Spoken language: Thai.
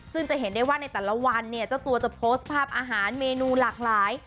ซึ่งจะเห็นได้ว่าในแต่ละวันเนี่ยเจ้าตัวจะโพสต์ภาพอาหารเมนูหลากหลาย